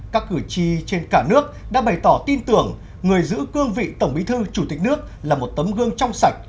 các cử tri trên cả nước đã bày tỏ tin tưởng người giữ cương vị tổng bí thư chủ tịch nước là một tấm gương trong sạch